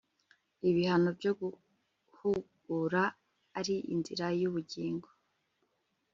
ibihano byo guhugura ari inzira y'ubugingo